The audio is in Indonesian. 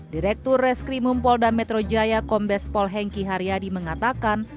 direktur reserse kriminal umum polda metro jaya kombes pol hengki haryadi mengatakan